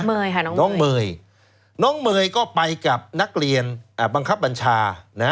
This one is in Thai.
เมยค่ะน้องเมย์น้องเมย์ก็ไปกับนักเรียนบังคับบัญชานะ